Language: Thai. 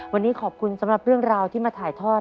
วันนี้ขอบคุณสำหรับเรื่องราวที่มาถ่ายทอด